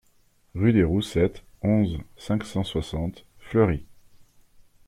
Rue des Roussettes, onze, cinq cent soixante Fleury